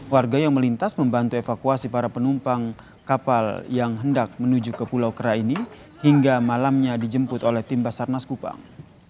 warga yang melintas membantu evakuasi para penumpang kapal yang hendak menuju ke pulau kera ini hingga malamnya dijemput oleh tim basarnas kupang